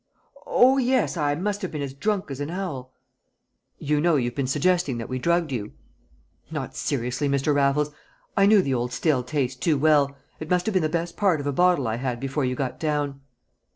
"Oh, yes! I must have been as drunk as an owl." "You know you've been suggesting that we drugged you?" "Not seriously, Mr. Raffles. I knew the old stale taste too well. It must have been the best part of a bottle I had before you got down."